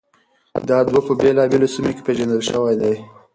دا دود په بېلابېلو سيمو کې پېژندل شوی دی.